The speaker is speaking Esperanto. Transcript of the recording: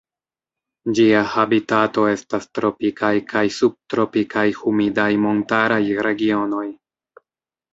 Ĝia habitato estas tropikaj kaj subtropikaj humidaj montaraj regionoj.